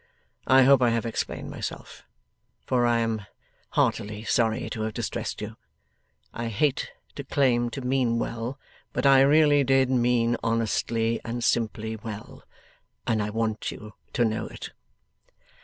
I hope I have explained myself; for I am heartily sorry to have distressed you. I hate to claim to mean well, but I really did mean honestly and simply well, and I want you to know it.